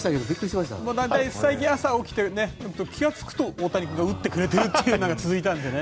大体、最近朝起きると大谷君が打ってくれているという日が続いたのでね。